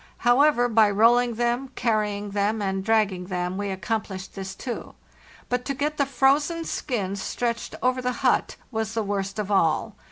However, by rolling them, carrying them, and dragging them we accomplished this too; but to get the frozen skins stretched over the hut was the worst of all.